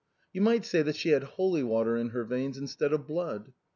You might say that she had holy water in her veins instead of blood.